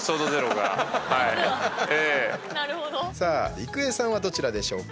郁恵さんは、どちらでしょうか。